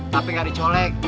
tapi gak dicolek